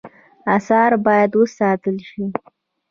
آثار باید وساتل شي